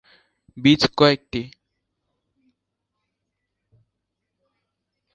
বীজ কয়েকটি।